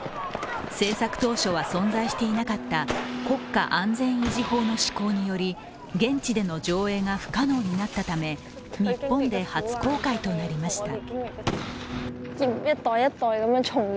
制作当初は存在していなかった国家安全維持法の施行により現地での上映が不可能になったため、日本で初公開となりました。